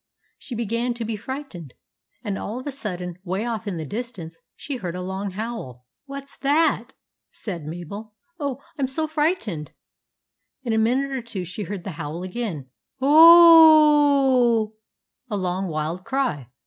She began to be frightened ; and all of a sudden, way off in the distance, she heard a long howl. " What 's that ?" said Mabel. " Oh, I'm so frightened !" In a minute or two she heard the howl again, —" O o o w !"— a long, wild cry.